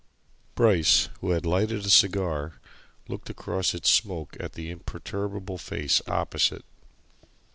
Bryce, who had lighted a cigar, looked across its smoke at the imperturbable face opposite.